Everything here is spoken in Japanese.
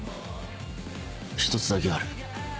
１つだけある。